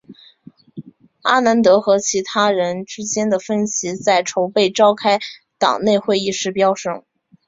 阿南德和其他人之间的分歧在筹备召开党内会议时飙升。